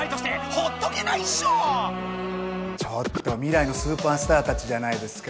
ちょっとみらいのスーパースターたちじゃないですか。